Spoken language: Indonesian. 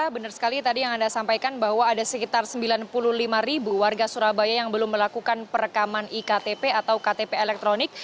benar sekali tadi yang anda sampaikan bahwa ada sekitar sembilan puluh lima ribu warga surabaya yang belum melakukan perekaman iktp atau ktp elektronik